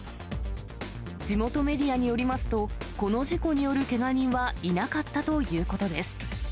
地元メディアによりますと、この事故によるけが人はいなかったということです。